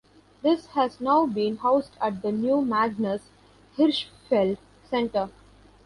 This has now been housed at the new Magnus Hirschfeld Center.